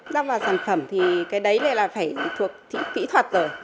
ra vào sản phẩm thì cái đấy là phải thuộc kỹ thuật rồi